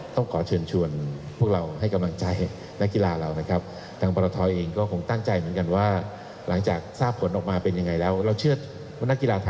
ต้องขอเชิญชวนพวกเราให้กำลังใจนักกีฬาเรานะครับ